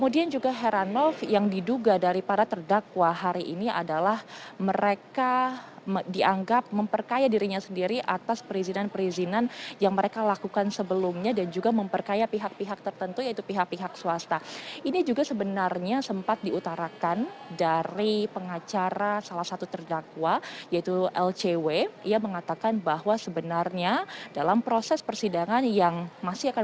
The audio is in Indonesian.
dan juga heranov yang bisa saya informasikan